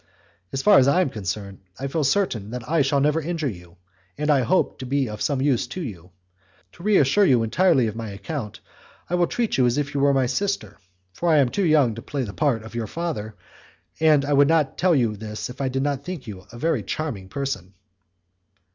As far as I am concerned, I feel certain that I shall never injure you, and I hope to be of some use to you. To reassure you entirely on my account, I will treat you as if you were my sister, for I am too young to play the part of your father, and I would not tell you all this if I did not think you a very charming person."